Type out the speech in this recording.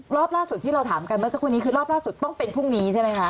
รอบล่าสุดที่เราถามกันเมื่อสักครู่นี้คือรอบล่าสุดต้องเป็นพรุ่งนี้ใช่ไหมคะ